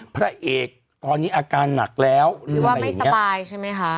พระเอกตอนนี้อาการหนักแล้วหรือว่าไม่สบายใช่ไหมคะ